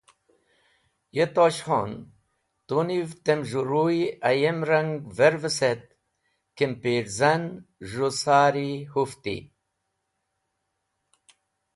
Ye Tosh Khon! Tu niv tem zhũ ruy ayem rang verves et kimpirzan z̃hũ sari hũfti.